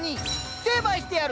成敗してやる！